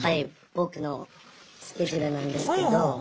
僕のスケジュールなんですけど。